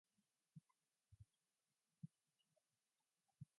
Under the new Supercup series, only Group C cars would be allowed to compete.